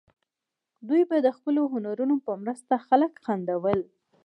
دوی به د خپلو هنرونو په مرسته خلک خندول.